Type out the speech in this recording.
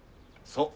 そう。